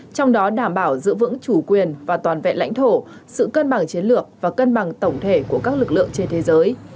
trong đó đảm bảo giữ vững chủ quyền và toàn vẹn lãnh thổ sự cân bằng chiến lược và cân bằng tổng thể của các lực lượng trên thế giới